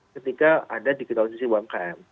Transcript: ketika ada digitalisasi umkm